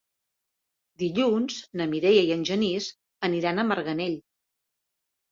Dilluns na Mireia i en Genís aniran a Marganell.